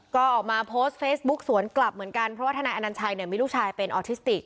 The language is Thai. ก็ออกมาโพสต์เฟซบุ๊กสวนกลับเหมือนกันเพราะว่าทนายอนัญชัยเนี่ยมีลูกชายเป็นออทิสติก